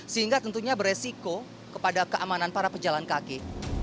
sehingga tentunya beresiko kepada keamanan para pejalan kaki